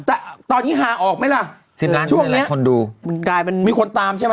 แต่ตอนนี้หาออกไหมล่ะสิบล้านช่วงไหนคนดูมันกลายเป็นมีคนตามใช่ไหม